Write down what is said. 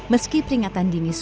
meski peringatan gili sudah selesai